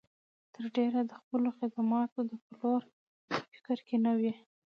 تر ډېره د خپلو خدماتو د پلور په فکر کې نه وي.